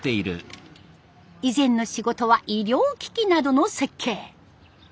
以前の仕事は医療機器などの設計。